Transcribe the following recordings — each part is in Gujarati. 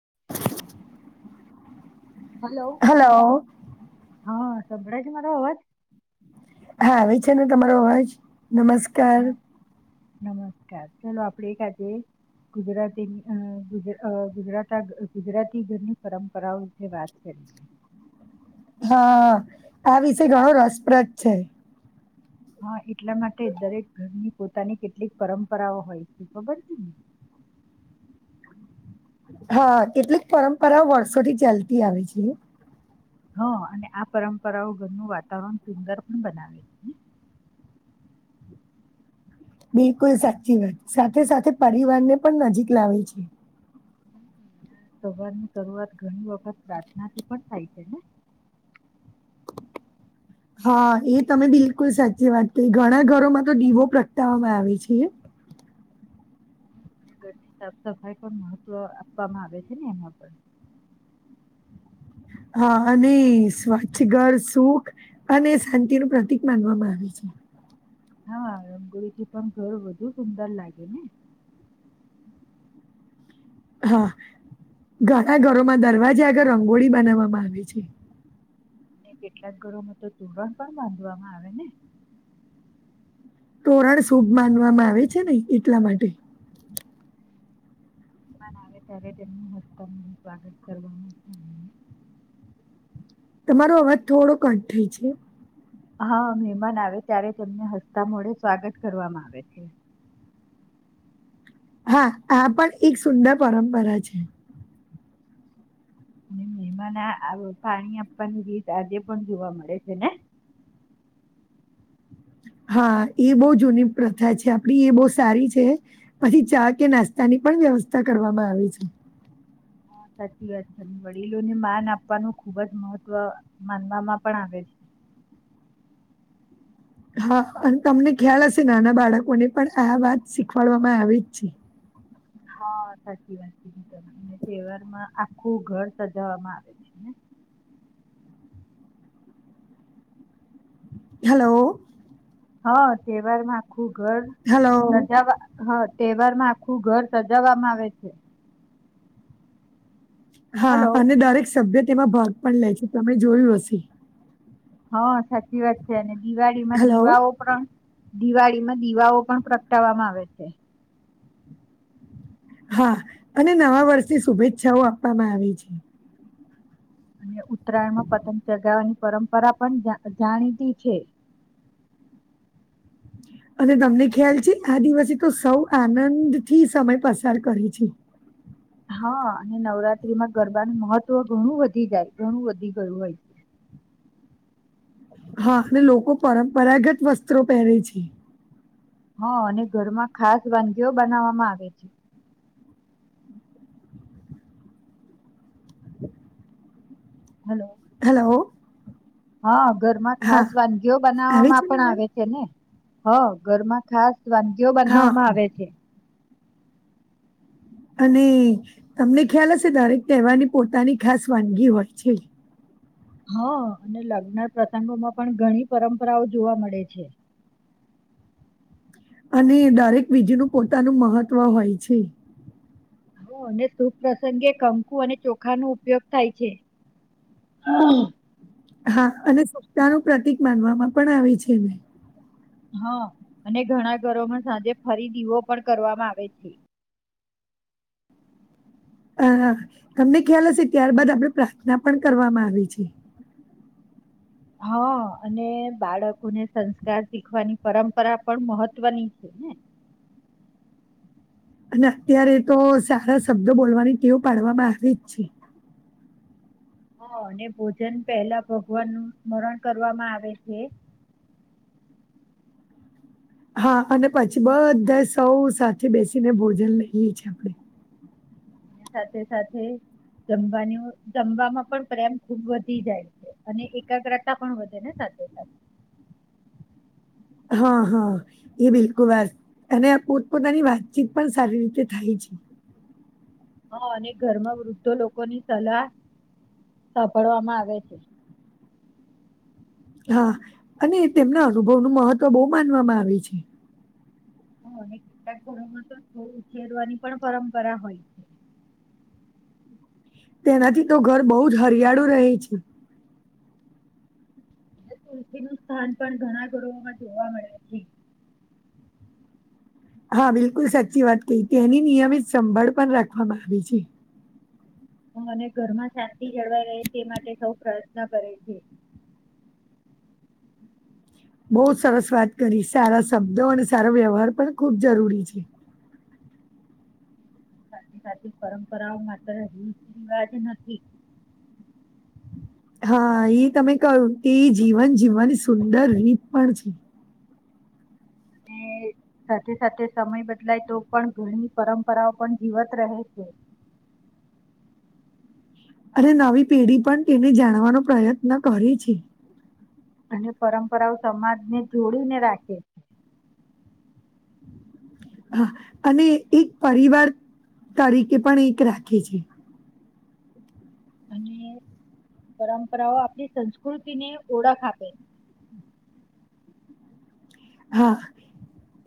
[inaudible] [inaudible] હેલો. હા સંભળાય છે મારો અવાજ? હા આવે છે ને તમારો અવાજ. નમસ્કાર! હા નમસ્કાર! ચલો આપડે એક આજે ગુજરાતીની અહ ગુજ અહ ગુજરાતા ગુજરાતી ઘરની પરંપરાઓ વિશે વાત કર [inaudible] હા આ વિશે ઘણો રસપ્રદ છે હા એટલા માટે દરેક ઘરની પોતાની કેટલીક પરંપરાઓ હોય છે ખબર છે ને [inaudible] હા કેટલીક પરંપરાઓ વર્ષોથી ચાલતી આવે છે હા અને આ પરંપરાઓ ઘરનું વાતાવરણ સુંદર પણ બનાવે છે [inaudible] બિલકુલ સાચી વાત સાથે સાથે પરિવારને પણ નજીક લાવે છે સવાર ની શરૂઆત ઘણી વખત પ્રાર્થના થી પણ થાય છે ને [inaudible] હા એ તમે બિલકુલ સાચી વાત કહી ઘણા ઘરોમાં તો દીવો પ્રગટાવવામાં આવે છે હ અને ઘરની સાફ સફાઈ પણ મહત્વ આપવામાં આવે છે ને એમાં પણ [inaudible] હા અને સ્વચ્છ ઘર સુખ અને શાંતિ નું પ્રતિક માનવામાં આવે છે હા રગોળી થી પણ ઘર વધુ સુંદર લાગે ને [inaudible] હા ઘણા ઘરોમાં દરવાજા આગળ રંગોળી બનાવવામાં આવે છે અને કેટલાક ઘરોમાં તો તોરણ પણ બાંધવામાં આવે ને તોરણ શુભ માનવામાં આવે છે નહી એટલા માટે હમ મહેમાન આવે ત્યારે તેમનું સ્વાગત કરવામાં આવે છે [inaudible] તમારો અવાજ થોડો કટ થાય છે હા મહેમાન આવે ત્યારે તેમને હસતા મોડે સ્વાગત કરવામાં આવે છે [inaudible] હા આ પણ એક સુંદર પરંપરા છે અને મહેમાન પાણી આપવાની રીત આજે પણ જોવા મળે છે ને [inaudible] હા એ બહુ જૂની પ્રથા છે આપડી એ બહુ સારી છે પછી ચા કે નાસ્તાની પણ વ્યવસ્થા કરવામાં આવી છે [inaudible] સાચી વાત છે અને વડીલોને માન આપવાનું ખુબ જ મહત્વ માનવામાં પણ આવે છે [inaudible] હા અને તમને ખ્યાલ હશે નાના બાળકોને પણ આ વાત શીખવાડવામાં આવે જ છે હા સાચી વાત કીધું તમે તહેવારમાં આખું ઘર સજાવામાં આવે છે ને [inaudible] હલો હા તહેવારમાં આખું ઘર હલો. સજાવા હ તહેવાર માં આખું ઘર સજાવવામાં આવે છે હા હલો અને દરેક સભ્ય તેમાં ભાગ પણ લે છે તમે જોયું હશે હા સાચી વાત છે અને દિવાળી માં હલો, દિવાઓ પણ દિવાળીમાં દીવાઓ પણ પ્રગટાવામાં આવે છે હા અને નવા વર્ષની શુભેચ્છાઓ આપવામાં આવે છે અને ઉત્તરાયણમાં પતંગ ચગાવવાની પરંપરા પણ જાણીતી છે [inaudible] અને તમને ખ્યાલ છે આ દિવસે તો સૌ આનંદ થી સમય પસાર કરે છે હા અને નવરાત્રીમાં ગરબાનું મહત્વ ઘણું વધી જાય ઘણું વધી ગયું હોય છે [inaudible] હા અને લોકો પરંપરાગત વસ્ત્રો પહેરે છે હ અને ઘરમાં ખાસ વાનગી બનાવવામાં આવે છે હલો હેલો હા ઘરમાં ખાસ વાનગીઓ આવે બનાવવામાં છે ને પણ અવાજ આવે છે ને હ ઘરમાં ખાસ વાનગીઓ હા બનાવવામાં આવે છે અને તમને ખ્યાલ હશે દરેક તહેવારની પોતાની ખાસ વાનગી હોય છે. હા અને લગ્ન પ્રસંગોમાં પણ ઘણી પરંપરાઓ જોવા મળે છે. [inaudible] અને દરેક બીજનું પોતાનું મહત્વ હોય છે. અને સુુભ પ્રસંગે કંકુ અને ચોખાનો ઉપયોગ થાય છે. હા હા અને સસ્તા નું પ્રતિક માનવામાં પણ આવે છે. હા અને ઘણા ઘરોમાં સાંજે ખરીદીવો પણ કરવામાં આવે છે. [unintelligible] અહ તમને ખ્યાલ હશે ત્યારબાદ આપડે પ્રાર્થના પણ કરવામાં આવે છે. હા અને બાળકોને સંસ્કાર શીખવાની પરંપરા પણ મહત્વની છે. હ અને અત્યારે તો સારા શબ્દો બોલવાની ટેવ પાડવામાં આવે જ છે. હ અને ભોજન પહેલા ભગવાન મરણ કરવામાં આવે છે. [inaudible] હા અને પછી બધા સૌ સાથે બેસીને ભોજન લઈએ છે આપડે અને સાથે સાથે જમવાનું જમવાવામાં પણ પ્રેમ ખુબ વધી જાય છે અને એકાગ્રતા પણ વધે ને સ [inaudible] હા હા એ બિલકુલ સ અને પોતપોતાની વાતચીત પણ સારી રીતે થાય છે. હા અને ઘરમાં વૃદ્ધો લોકોની સલાહ સાભળવામાં આવે છે. હા અને તેમના અનુભવનું મહત્વ બો માનવામાં આવે છે. અને કેટલાક ઘરોમાં તો [inaudible] ઉરવાની પણ પરંપરા હોય છે [unintelligible] તેનાથી તો ઘર બઉ જ હરિયાળું રહે છે. અને તુલસી નું સ્થાન પણ ઘણા ઘરોમાં જોવા મળ્યા છે. હા બિલકુલ સાચી વાત કહી તેની નિયમિત સંભાળ પણ રાખવામાં આવી છે. અને ઘરમાં શાંતિ જળવાઈ રહે તે માટે સૌ પ્રયત્ન કરે છે. [inaudible] બઉ સરસ વાત કરી સારા શબ્દો અને સારા વ્યવહાર પણ ખુબ જરૂરી છે. સાથે સાથે પરંપરાઓ માત્ર રીત રિવાજી નથી. [inaudible] હા એ તમે કહ્યું તે જીવન જીવનની સુંદર રીત પણ છે. ને સાથે સાથે સમય બદલાય તો પણ ઘણી પરંપરાઓ પણ જીવત રહે છે. [inaudible] અને નવી પેઢી પણ તેને જાણવાનો પ્રયત્ન કરે છે અને પરંપરાઓ સમાજને જોડીને રાખે છે હા અને એક પરિવાર તરીકે પણ એક રાખે છે અને પરંપરાઓ આપણી સંસ્કૃતિને ઓળખ આપે [unintelligible] હા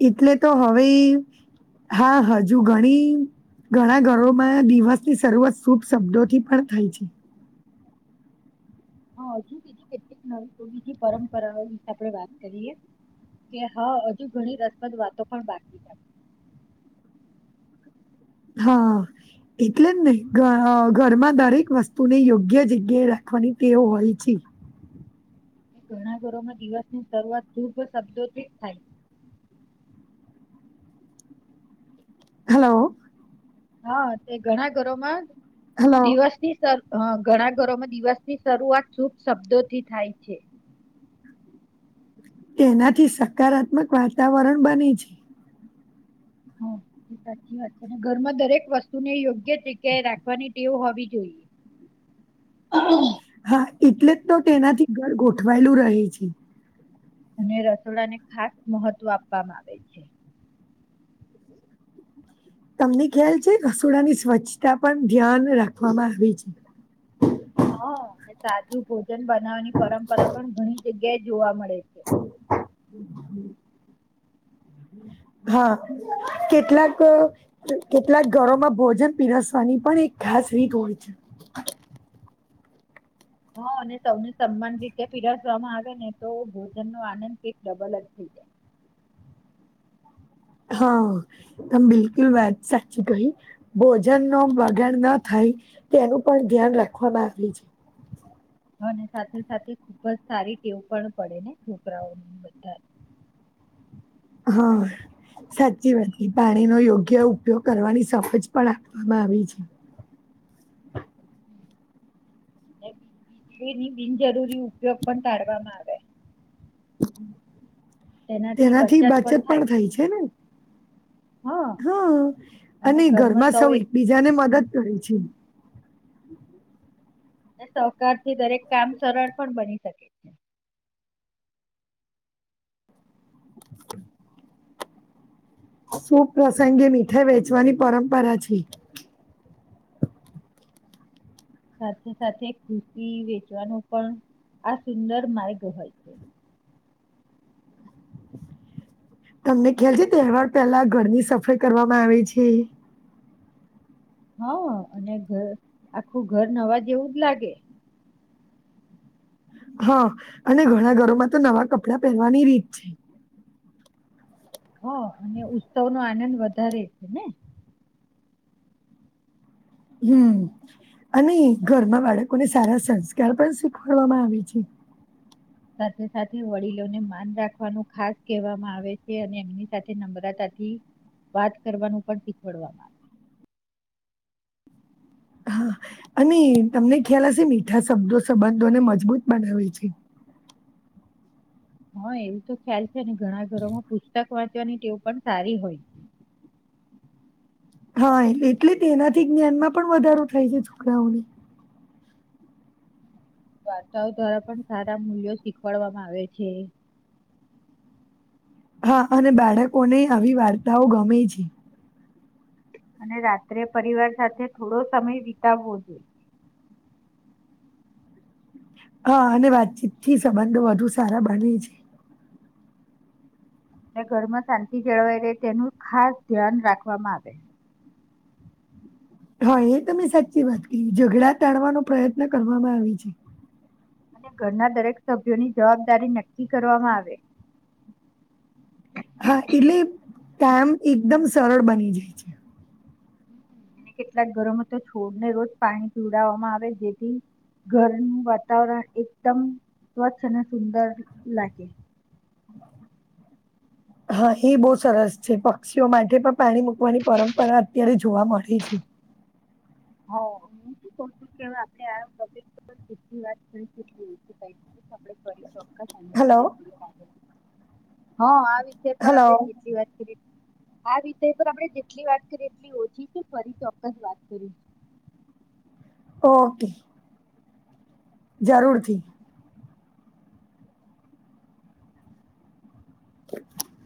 એટલે તો હવે હા હજુ ઘણી ઘણા ઘરોમાં દિવસની શરૂઆત શુભ શબ્દોથી પણ થાય છે. હા હજી બીજી કેટલીક નવી પેઢી તે પરંપરાઓ વિશે આપડે વાત કરીએ કે હા હજુ ઘણી રસપ્રદ વાતો પણ બાકી જાય. હા એટલે જ નહી ઘરમાં દરેક વસ્તુને યોગ્ય જગ્યાએ રાખવાની તેઓ હોય છે. ઘણા ઘરોમાં દિવસની શરૂઆત ધુર્ભ શબ્દોથી થાય [unintelligible] હલો. હા તે ઘણા ઘરોમાં હલો દિવસ ની સર અ ઘણા ઘરોમાં દિવસની શરૂઆત શુભ શબ્દોથી થાય છે. તેનાથી સકારાત્મક વાતાવરણ બને છે. હ એ સાચી વાત છે અને ઘરમાં દરેક વસ્તુ ને યોગ્ય જગ્યાએ રાખવાની ટેવ હોવી જોઈએ. હા હા એટલે જ તો તેનાથી ઘર ગોઠવાયેલું રહે છે. અને રસોડાને ખાસ મહત્વ આપવામાં આવે છે. તમને ખ્યાલ છે રસોડાની સ્વચ્છતા પર ધ્યાન રાખવામાં આવી છે. સાદું ભોજન બનાવવાની પરંપરા પણ ઘણી જગ્યા જોવા મળે છે. હા કેટલાક કેટલાક ઘરોમાં ભોજન પીરસવાની પણ એક હ શ્રી કોચ [inaudible] હા અને સૌને સમાન રીતે પીરાસવામાં આવે ને તો ભોજન નો આનંદ કંઈક ડબલ જ થ [unintelligible] હા તમેં બિલકુલ વાત સાચી કહી, ભોજન નો બગાડ ના થાય તેનું પણ ધ્યાન રાખવામાં આવે છે. [unintelligible] અને સાથે સાથે ખુબ જ સારી ટેવ પણ પડે ને છોકરાઓ બધા [unintelligible] હા. સાચી વાત પાણીનો યોગ્ય ઉપયોગ કરવાની સમજ પણ આપવામાં આવી છે. હમ વીજળીની બિનજરૂરી ઉપયોગ પણ ટાળવામાં આવે. તેનાથી બચત પણ થાય છે ને? હા અને ઘરમાં સૌ એકબીજા ને મદદ કરે છે. [unintelligible] સહકાર થી દરેક કામ સરળ પણ બની શકે છે. શુભ પ્ર્સંગે મીઠાઈ વેચવાની પરંપરા છે. સાથે સાથે ખુશી વેચવાનું પણ આ સુંદર માર્ગ હોય છે. તમને ખ્યાલ છે તહેવાર પહેલા ઘરની સફાઈ કરવામાં આવે છે? હા અને ઘર આખું ઘર નવા જેવું જ લાગે. હા અને ઘણા ઘરોમાં તો નવા કપડા પહેરવાની રીત છે. હ અને ઉત્સવ નો આનંદ વધારે છે ને હમ્મ. અને ઘરમાં બાળકોને સારા સંસ્કાર પણ શીખવાડવામાં આવે છે. સાથે સાથે વડીલોને માન રાખવાનું ખાસ કહેવામાં આવે છે અને એમની સાથે નમ્રતા થી વાત કરવાનું પણ શીખડવામાં આવે. હા [unintelligible] અને તમને ખ્યાલ હશે મીઠા શબ્દો સંબંધોને મજબૂત બનાવે છે. હા એવું તો ખ્યાલ છે ને ઘણા ઘરોમાં પુસ્તક વાં ચવાની ટીવ પણ સારી હોય છે. હા એટલે તેનાથી જ્ઞાનમાં પણ વધારો થાય છે છોકરાઓને. વાર્તાઓ દ્વારા પણ સારા મૂલ્યો શીખવાડવામાં આવે છે. હા અને બાળકોને આવી વાર્તાઓ ગમે છે. અને રાત્રે પરિવાર સાથે થોડો સમય વિતાવવો જોઈએ. હા અને વાતચીત થી સંબંધો વધુ સારા બને છે. ને ઘરમાં શાંતિ જળવાઈ રહે તેનું ખાસ ધ્યાન રાખવામાં આવે. હા એ તમે સાચી વાત કરી ઝઘડા ટાણવાનો પ્રયત્ન કરવામાં આવે છે. અને ઘરના દરેક સભ્યોની જવાબદારી નક્કી કરવામાં આવે. [inaudible] હા એટલે કામ એકદમ સરળ બની જાય છે. એને કેટલાક ઘરોમાં તો છોડને રોજ પાણી પીવડાવવામાં આવે જેથી. ઘરનું વાતાવરણ એકદમ સ્વચ્છ અને સુંદર લાગે. હા એ બહુ સરસ છે, પક્ષીઓ માટે પણ પાણી મૂકવાની પરંપરા અત્યારે જોવા મળે છે. [unintelligible] હ. [unintelligible] [unintelligible] જે પણ આપણે હલો, જેટલી વાત હલો, કરી. આ વિષય પર આપણેે જેટલી વાત કરીએ, એટલી ઓછી છે ફરી ચોક્કસ વાત કરી. ઓકે. જરૂરથી. [inaudible]